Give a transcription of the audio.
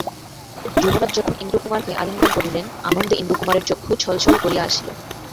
যুবরাজ যখন ইন্দ্রকুমারকে আলিঙ্গন করিলেন, আনন্দে ইন্দ্রকুমারের চক্ষু ছল ছল করিয়া আসিল।